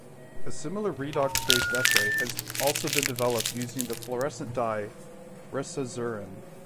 A similar redox-based assay has also been developed using the fluorescent dye, resazurin.